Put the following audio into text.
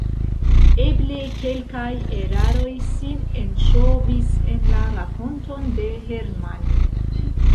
Eble kelkaj eraroj sin enŝovis en la rakonton de Hermann!